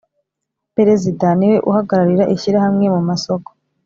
perezida niwe uhagararira ishyirahamwe mu masoko